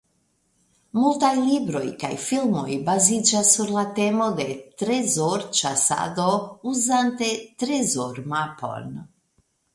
Multaj libroj kaj filmoj baziĝas sur la temo de trezorĉasado uzante trezormapon.